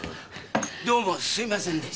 どうもすみませんでした。